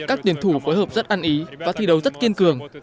các điển thủ phối hợp rất ăn ý và thi đấu rất kiên cường